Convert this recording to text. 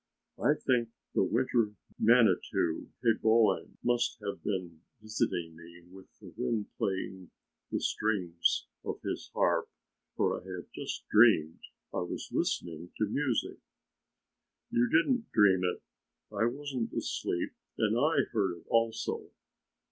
I think the Winter Manitou, Peboan, must have been visiting me with the wind playing the strings of his harp, for I have just dreamed I was listening to music." "You didn't dream it; I wasn't asleep and I heard it also.